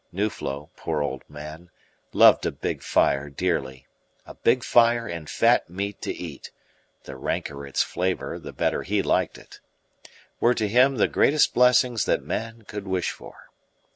Nuflo, poor old man, loved a big fire dearly; a big fire and fat meat to eat (the ranker its flavour, the better he liked it) were to him the greatest blessings that man could wish for.